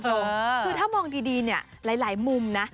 คือถ้ามองดีหลายมุมนะ